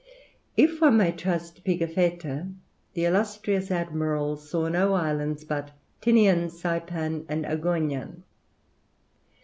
If one may trust Pigafetta, the illustrious admiral saw no islands but Tinian, Saypan, and Agoignan.